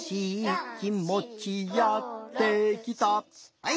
はい！